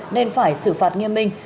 nên phải xử phạt nghiêm minh